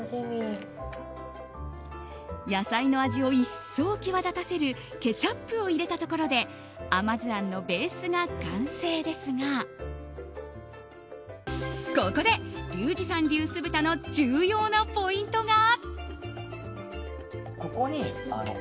野菜の味をひときわ際立たせるケチャップを入れたところで甘酢あんのベースが完成ですがここでリュウジさん流酢豚の重要なポイントが。